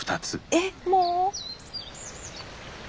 えっもう？